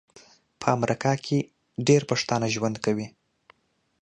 په امریکا کې ډیر پښتانه ژوند کوي